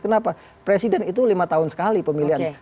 kenapa presiden itu lima tahun sekali pemilihan